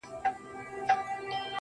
انسانیت په توره نه راځي، په ډال نه راځي.